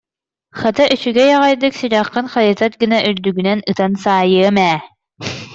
Хата, үчүгэй аҕайдык сүрэххин хайытар гына үрдүгүнэн ытан саайыам ээ